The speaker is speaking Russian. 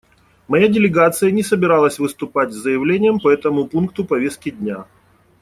Моя делегация не собиралась выступать с заявлением по этому пункту повестки дня.